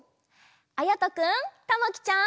あやとくんたまきちゃん。